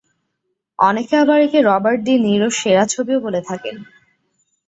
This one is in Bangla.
অনেকে আবার একে রবার্ট ডি নিরো সেরা ছবিও বলে থাকেন।